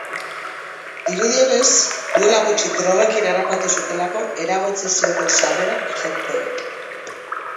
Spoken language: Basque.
Dirudienez, duela gutxi drogekin harrapatu zutelako eragotzi zioten sarrera agenteek.